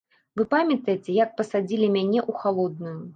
Вы памятаеце, як пасадзілі мяне ў халодную.